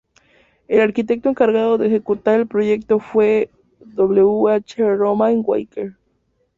El arquitecto encargado de ejecutar el proyecto fue W. H. Romaine-Walker.